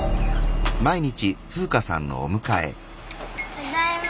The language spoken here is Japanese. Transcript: ただいま。